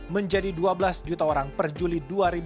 menjadi dua belas juta orang per juli dua ribu dua puluh